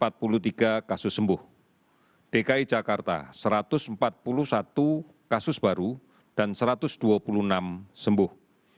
dki jakarta satu ratus empat puluh satu kasus baru dan satu ratus dua puluh enam sembuh